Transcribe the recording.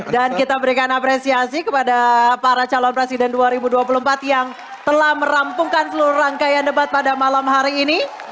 dan kita berikan apresiasi kepada para calon presiden dua ribu dua puluh empat yang telah merampungkan seluruh rangkaian debat pada malam hari ini